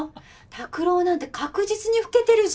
拓郎なんて確実に老けてるじゃん。